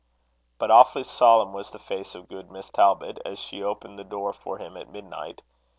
But awfully solemn was the face of good Miss Talbot, as she opened the door for him at midnight.